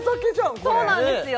これそうなんですよ